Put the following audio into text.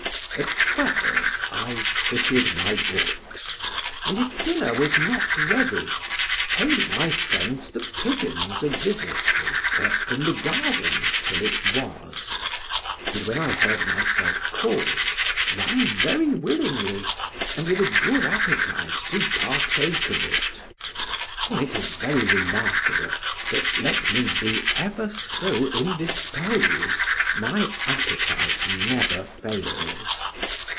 At twelve I quitted my books, and if dinner was not ready, paid my friends, the pigeons, a visit, or worked in the garden till it was, and when I heard myself called, ran very willingly, and with a good appetite to partake of it, for it is very remarkable, that let me be ever so indisposed my appetite never fails.